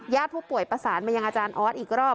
ผู้ป่วยประสานมายังอาจารย์ออสอีกรอบ